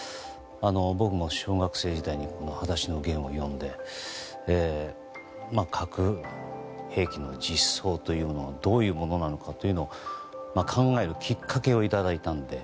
僕も小学生時代に「はだしのゲン」を読んで核兵器の実相というものがどういうものなのかというのを考えるきっかけをいただいたので。